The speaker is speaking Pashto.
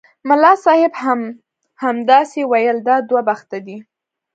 ملا صاحب هم همداسې ویل دا دوه بخته دي.